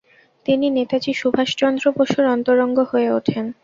তিনি নেতাজী সুভাষচন্দ্র বসুর অন্তরঙ্গ হয়ে ওঠেন।